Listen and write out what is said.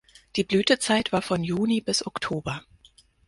Die Blütezeit war von Juni bis Oktober.